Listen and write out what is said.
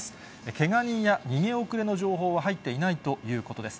けが人や逃げ遅れの情報は入っていないということです。